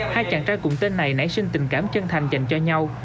hai chàng trai cùng tên này nảy sinh tình cảm chân thành dành cho nhau